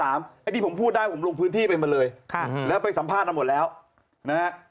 อันนี้ผมพูดได้ผมลงพื้นที่ไปหมดเลยแล้วไปสัมภาษณ์มาหมดแล้วนะฮะ